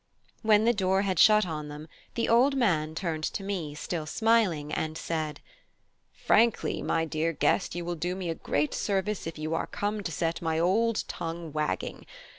When the door had shut on them the old man turned to me, still smiling, and said: "Frankly, my dear guest, you will do me a great service if you are come to set my old tongue wagging.